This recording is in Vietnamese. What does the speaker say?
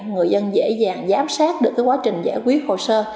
người dân dễ dàng giám sát được quá trình giải quyết hồ sơ